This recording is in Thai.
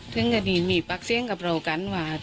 ถึงกันยินมีปากเสี้ยงกับเรากันว่า